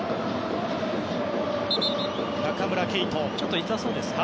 ちょっと痛そうですね。